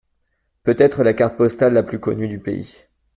Peut-être la carte postale la plus connue du pays.